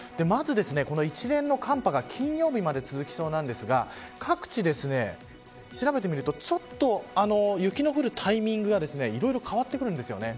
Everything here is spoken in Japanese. まず、一連の寒波が金曜日まで続きそうなんですが各地ですね、調べてみるとちょっと雪の降るタイミングがいろいろ変わってくるんです。